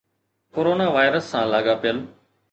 corona virus سان لاڳاپيل